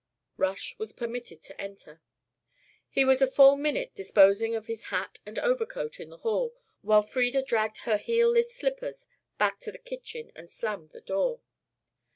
Rush was permitted to enter. He was a full minute disposing of his hat and overcoat in the hall, while Frieda dragged her heelless slippers back to the kitchen and slammed the door.